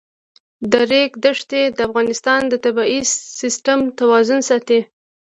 د ریګ دښتې د افغانستان د طبعي سیسټم توازن ساتي.